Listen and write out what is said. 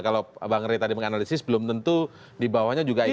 kalau bang ray tadi menganalisis belum tentu di bawahnya juga ikut